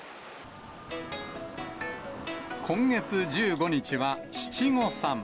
今月１５日は七五三。